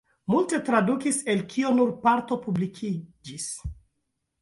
Multe tradukis, el kio nur parto publikiĝis.